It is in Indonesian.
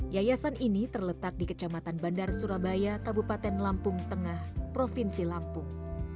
yayasan ini terletak di kecamatan bandar surabaya kabupaten lampung tengah provinsi lampung